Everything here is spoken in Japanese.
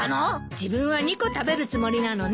自分は２個食べるつもりなのね。